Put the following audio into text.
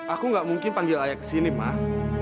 aku gak mungkin panggil ayah kesini mah